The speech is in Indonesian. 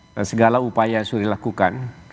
dan segala upaya sudah dilakukan